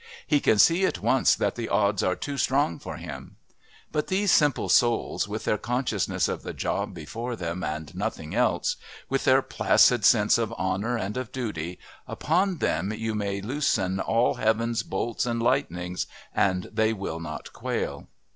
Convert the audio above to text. "He can see at once that the odds are too strong for him. But these simple souls, with their consciousness of the job before them and nothing else, with their placid sense of honour and of duty, upon them you may loosen all heaven's bolts and lightnings and they will not quail."